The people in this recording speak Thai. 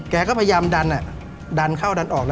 แกก็พยายามดันดันเข้าดันออก